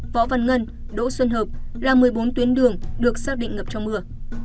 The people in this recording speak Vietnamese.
võ văn ngân đỗ xuân hợp là một mươi bốn tuyến đường được xác định ngập trong mưa